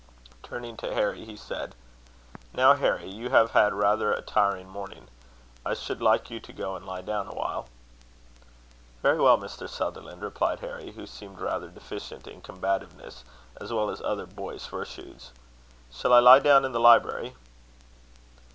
Turning to Harry, he said: "Now, Harry, you have had rather a tiring morning. I should like you to go and lie down a while." "Very well, Mr. Sutherland," replied Harry, who seemed rather deficient in combativeness, as well as other boyish virtues. "Shall I lie down in the library?"